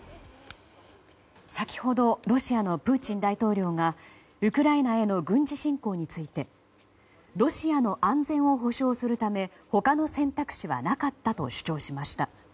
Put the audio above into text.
先ほどロシアのプーチン大統領がウクライナへの軍事侵攻についてロシアの安全を保障するため他の選択肢はなかったと主張しました。